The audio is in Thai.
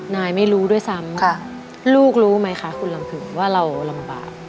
นายไม่รู้ด้วยซ้ำลูกรู้ไหมคะคุณลำผึงว่าเราลำบาก